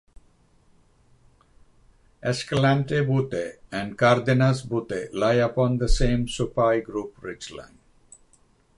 Escalante Butte and Cardenas Butte lie upon the same Supai Group ridgeline.